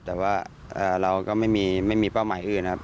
แต่ว่าเราก็ไม่มีเป้าหมายอื่นนะครับ